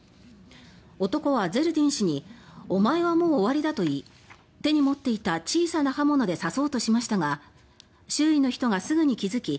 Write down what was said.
男はゼルディン氏にお前はもう終わりだと言い手に持っていた小さな刃物で刺そうとしましたが周囲の人がすぐに気付き